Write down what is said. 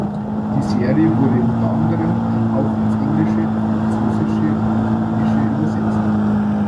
Die Serie wurde unter anderem auch ins Englische, Französische und Italienische übersetzt.